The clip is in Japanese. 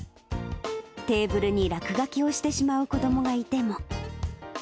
テーブルに落書きをしてしまう子どもがいても。